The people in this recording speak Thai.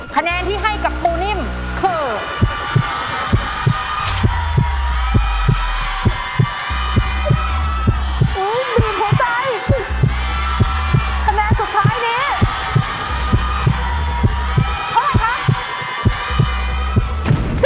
คะแนนที่ให้กับปูนิ่มคือ